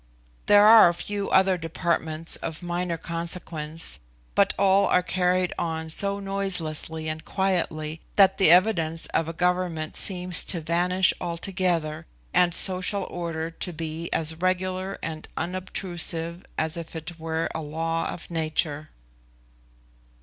There are a few other departments of minor consequence, but all are carried on so noiselessly, and quietly that the evidence of a government seems to vanish altogether, and social order to be as regular and unobtrusive as if it were a law of nature.